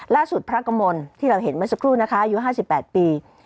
ล่าสุดพระกมลที่เราเห็นมาสักครู่นะคะอายุ๕๘ปี